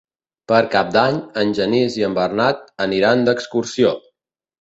Per Cap d'Any en Genís i en Bernat aniran d'excursió.